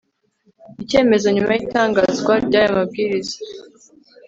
icyemezo nyuma y itangazwa ry aya mabwiriza